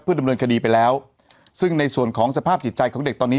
ดำเนินคดีไปแล้วซึ่งในส่วนของสภาพจิตใจของเด็กตอนนี้